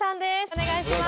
お願いします。